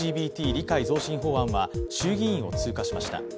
理解増進法案は衆議院を通過しました。